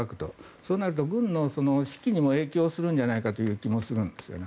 そうなると軍の士気にも影響するんじゃないかという気もするんですよね。